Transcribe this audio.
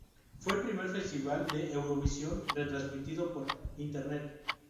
Fue el primer festival de Eurovisión retransmitido por Internet.